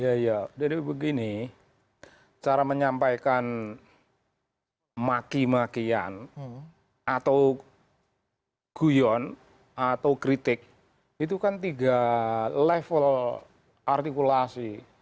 ya ya jadi begini cara menyampaikan maki makian atau guyon atau kritik itu kan tiga level artikulasi